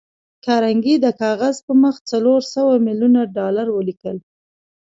کارنګي د کاغذ پر مخ څلور سوه ميليونه ډالر ولیکل